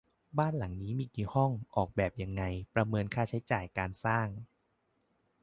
บ้านหลังนี้มีกี่ห้อง ออกแบบยังไง ประเมินค่าใช้จ่ายการสร้าง